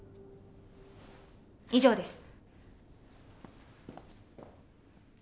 以上です。